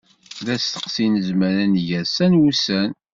D asteqsi i nezmer ad neg ass-a n wussan.